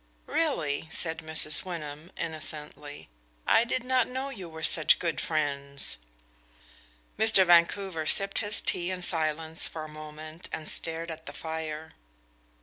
"Really?" said Mrs. Wyndham, innocently; "I did not know you were such good friends." Mr. Vancouver sipped his tea in silence for a moment and stared at the fire.